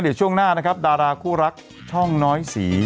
เดี๋ยวช่วงหน้านะครับดาราคู่รักช่องน้อยสี